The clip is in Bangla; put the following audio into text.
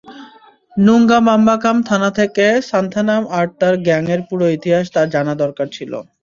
নুঙ্গাম্বাকাম থানা থেকে সান্থানাম আর তার গ্যাং এর পুরো ইতিহাস তার জানা দরকার ছিল।